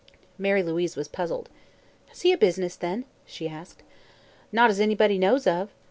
Mary Louise was puzzled. "Has he a business, then?" she asked. "Not as anybody knows of."